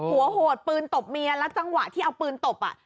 โหดปืนตบเมียแล้วจังหวะที่เอาปืนตบอ่ะ